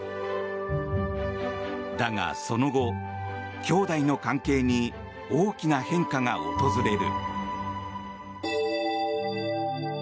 だがその後、兄弟の関係に大きな変化が訪れる。